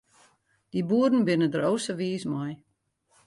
Dy boeren binne der o sa wiis mei.